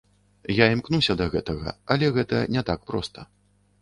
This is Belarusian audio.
Я імкнуся да гэтага, але гэта не так проста.